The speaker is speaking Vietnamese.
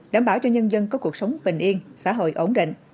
đảm bảo cho nhân dân có cuộc sống bình yên xã hội ổn định